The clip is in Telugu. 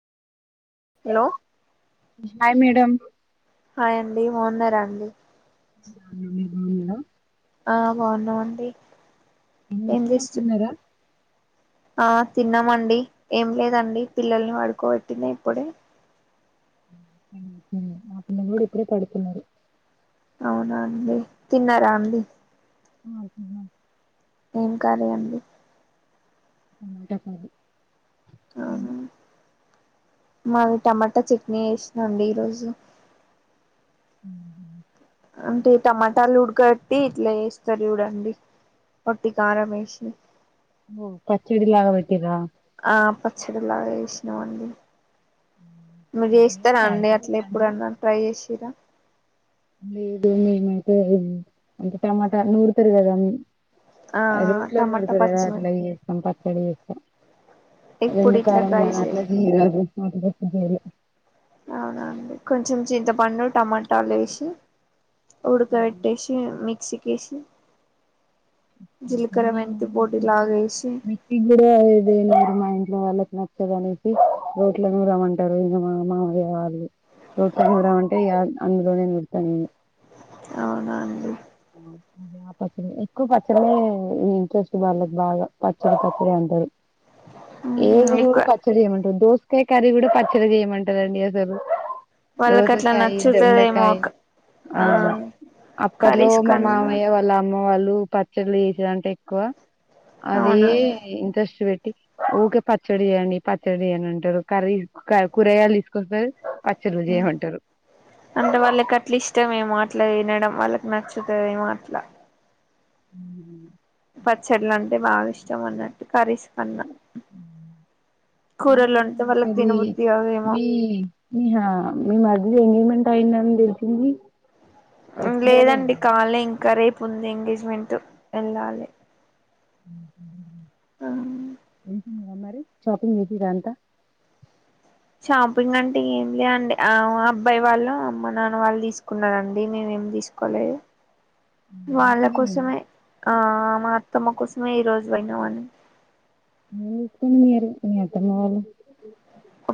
హలో హాయ్ మేడమ్ హాయ్ యండి బావున్నారా అండి. మీరు బాగున్నారా ఆ బాగున్నామండి ఏం [inaudible] చేస్తూ తిన్నారా ఆ తిన్నామండి ఏం లేదండి పిల్లల్ని వడుకోబెట్టిన ఇప్పుడే మ్మ్ మా పిల్లలు కూడా ఇప్పుడే పడుకున్నారు అవునా అండి తిన్నరా అండి ఆ తిన్నాం ఏం కాలే అండి అ మాట కాడి ఆ మావి టమాటా చట్నీ చేస్నాండి ఈరోజు మ్మ్ హ్మ్ అంటే టమాటాలు ఉడకబెట్టి ఇట్లా చేస్తారు చూడండి ఒట్టి కారం వేసి ఓ పచ్చడిలాగ బెట్టిర్రా ఆ పచ్చడిలాగా చేసినామండి మీరు చేస్తారా చాయ్ అండి అట్లా ఇట్లాంటివి ఎప్పుడన్నా ట్రై చేసిర్రా లేదు మేమైతే అంటే టమాటా నూరుతరు కదా అండి ఆ అది రోట్లో టమాటా నూరుతరు కదా పచ్చిమి అట్ల చేసుకుంటం కడిగెస్స ఎప్పుడు రెండు ఇట్లా ట్రై కారంలా అట్లా చేయాలి జీరాదు అది గప్పదల అవునా అండి కొంచెం చింత పండు టమాటాలు ఏసి ఉడుక పెట్టేసి మిక్సి కేసి మేము లాగా వేసి మిక్సి కూడా ఏద లేరు మా ఇంట్లో వాళ్ళ నచ్చదు అనేసి రోట్ల నూరమ్మంటారు ఈ మా మామయ్య వాళ్ళు రోట్ల నూరమంటే అందులోనే నూర్తా నేను అవునా అండి అదే ఆ పచ్చడి ఎక్కువ పచ్చడే ఇంట్రెస్ట్ వాళ్ళకు బాగా పచ్చడి పచ్చడి అంటారు ఏ జూడు ఎక్కువ పచ్చచడింటుంటే కాయ్ కర్రీ కూడా పచ్చడి చేయమంటారండి అసలు వాళ్ళకట్ల దోసకాయ దొండకాయ నచ్చుతదమోక ఆ క లో మా మామయ్య వాళ్ళ అమ్మ వాళ్ళు ఉ పచ్చళ్లు యెషెదంట ఎక్కువ అదే అవునండి ఇంట్రెస్ట్ వెట్ ఊకే పచ్చడి జేయండి పచ్చడి జేయండి అని అంటరు కర్రీ కూరగాయలు తీసుకొస్తది ఊ అంటే వాళ్ళకట్ల ఇష్టమెమో మాట్ల తినడం వాళ్ళకి నచ్చుతదేమో అట్ల ఊ పచ్చడ్లంటే అంటే బాగా ఇష్టం అన్నట్టు కర్రీస్ కన్నా కూరలు అంటే వాళ్ళకి కర్రీ తినబుద్ధి కాదేమో మీ ఇంగ మీ మరిదిది ఎంగేజ్మెంట్ అంటే అయిందని తెలిసింది అ ఎప్పుడు జరిగింది లేదండి కాలే ఇంకా రేప్ పుంది ఎంగేజ్మెంటు వెళ్ళాలి ఊహు ఆ షాపింగ్ చేసిండ్రా అంత షాపింగ్ అంటే ఏమిలే అండి ఆ అబ్బాయి వాళ్ల అమ్మ నాన్న వాళ్ళు తీసుకున్నారండి, మేమేం తీసుకోలేదు. వాళ్ళ కోసమే ఆ మా అత్తమ్మ కోసమే ఈరోజు పోయినమన్ ఏమి కొన్యారు మీ అత్తమ్మ వాళ్ళు